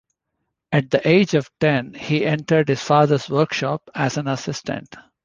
At the age of ten, he entered his father's workshop as an assistant.